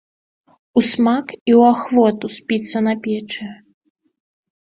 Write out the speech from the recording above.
Усмак і ў ахвоту спіцца на печы.